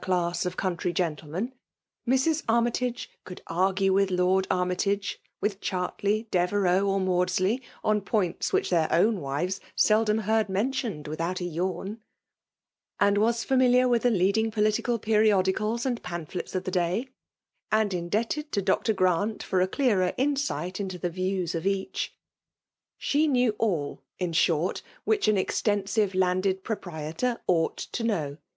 class of country gentlemen, Mrs. Armytage^ could ai gue with Lord Armytage,<« *with! Chartley, Devereux, or 'Maudsley, on points: which their onhj wives seldom licdird mentloped^ a M»tli(Hit;a ywvB.^raiMi was Saanili^.wili^ Ub^^ Ictading political peidodicals and pampU^s.of r thd day^ and indebted to Dr. Grant ft^ a cleafer innght into the views of each; sbe*, knew all^ in shorty which aa extensile lan^^d proprietor ooght to know